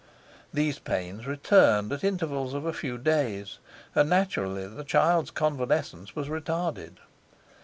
These pains returned at intervals of a few days, and naturally the child's convalescence was retarded.